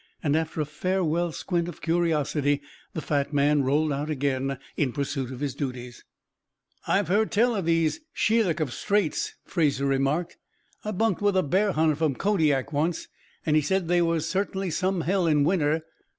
And after a farewell squint of curiosity, the fat man rolled out again in pursuit of his duties. "I've heard tell of these Shelikof Straits," Fraser remarked. "I bunked with a bear hunter from Kodiak once, and he said they was certainly some hell in winter."